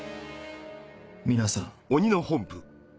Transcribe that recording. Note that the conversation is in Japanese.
皆さん。